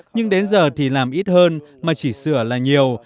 nhưng đến giờ thì làm ít hơn mà chỉ sửa là nhiều